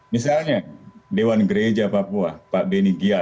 misalnya dewan gereja papua pak benny gia